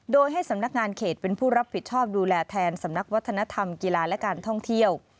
โดยให้สำนักงานเขตเป็นผู้รับผิดชอบดูแลแทนสำนักวัฒนธรรมกีฬาและการท่องเที่ยว